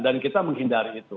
dan kita menghindari itu